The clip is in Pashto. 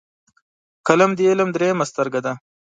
قلم د علم دریمه سترګه ده